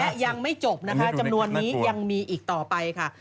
และยังไม่จบนะคะจำนวนนี้ยังมีอีกต่อไปค่ะ